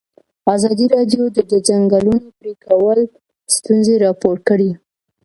ازادي راډیو د د ځنګلونو پرېکول ستونزې راپور کړي.